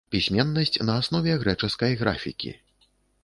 Пісьменнасць на аснове грэчаскай графікі.